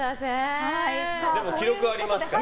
でも記録はありますから。